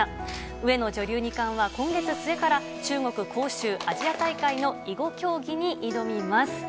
上野女流二冠は、今月末から中国・杭州アジア大会の囲碁競技に挑みます。